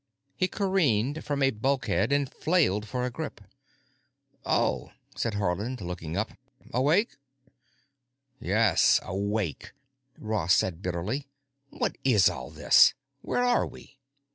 He careened from a bulkhead and flailed for a grip. "Oh," said Haarland, looking up. "Awake?" "Yes, awake!" Ross said bitterly. "What is all this? Where are we?"